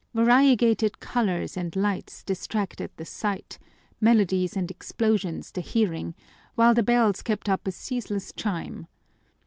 Variegated colors and lights distracted the sight, melodies and explosions the hearing, while the bells kept up a ceaseless chime.